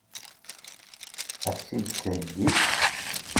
Ad k-tt-id-theggi?